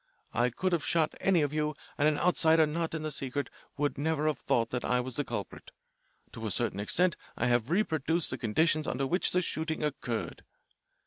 I could have shot any of you, and an outsider not in the secret would never have thought that I was the culprit. To a certain extent I have reproduced the conditions under which this shooting occurred.